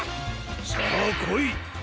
さあこい！